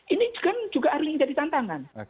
ini kan juga harus jadi tantangan